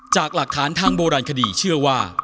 จากหลักฐานทางโบราณคดีเชื่อว่า